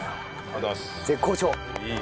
絶好調。